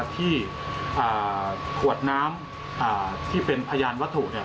ที่ขวดน้ำที่เป็นพยานวัตถุ